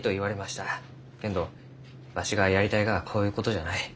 けんどわしがやりたいがはこういうことじゃない。